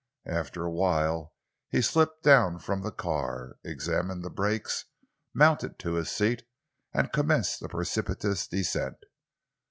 After a while he slipped down from the car, examined the brakes, mounted to his seat and commenced the precipitous descent.